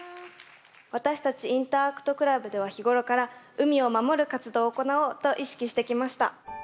私たちインターアクトクラブでは日頃から海を守る活動を行おうと意識してきました。